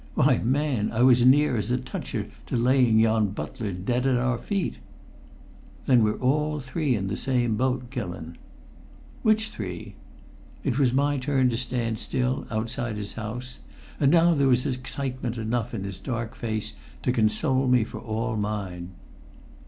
Why, man, I was as near as a toucher to laying yon butler dead at our feet!" "Then we're all three in the same boat, Gillon." "Which three?" It was my turn to stand still, outside his house. And now there was excitement enough in his dark face to console me for all mine.